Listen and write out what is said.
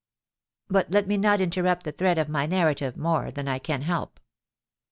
"But let me not interrupt the thread of my narrative more than I can help.